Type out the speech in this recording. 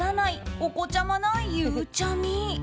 おこちゃまなゆうちゃみ。